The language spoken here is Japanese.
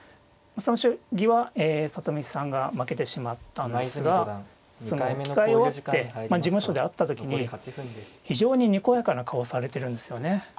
その将棋はえ里見さんが負けてしまったんですが着替え終わって事務所で会った時に非常ににこやかな顔をされてるんですよね。